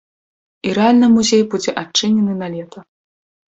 І рэальна музей будзе адчынены на лета.